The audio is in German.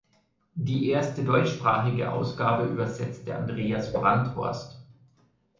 Die erste deutschsprachige Ausgabe übersetzte Andreas Brandhorst.